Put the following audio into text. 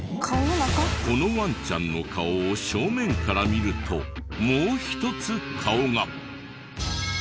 このワンちゃんの顔を正面から見るともう１つ顔が。